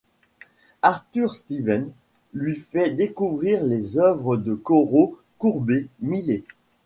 Arthur Stevens lui fait découvrir les œuvres de Corot, Courbet, Millet.